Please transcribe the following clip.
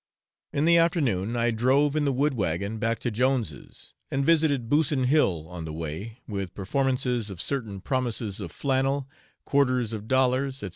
In the afternoon, I drove in the wood wagon back to Jones's, and visited Busson Hill on the way, with performances of certain promises of flannel, quarters of dollars, &c.